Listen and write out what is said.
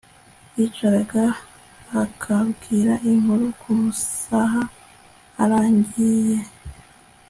yicaraga akambwira inkuru kumasaha arangiye